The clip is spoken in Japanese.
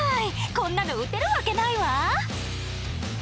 こんなの打てるわけないわ！